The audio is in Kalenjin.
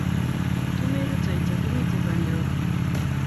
Kimi rutoito, kimite banda o